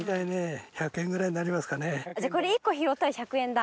じゃあ１個拾ったら１００円だ。